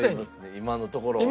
今のところは？